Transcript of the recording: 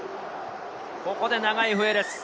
ここで長い笛です。